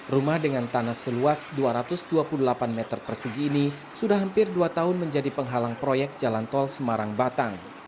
rumah dengan tanah seluas dua ratus dua puluh delapan meter persegi ini sudah hampir dua tahun menjadi penghalang proyek jalan tol semarang batang